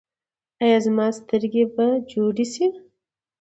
ایا زما سترګې به جوړې شي؟